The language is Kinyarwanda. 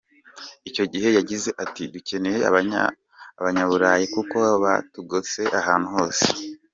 Icyo gihe yagize ati:”dukeneye abanyaburayi kuko batugose ahantu hose.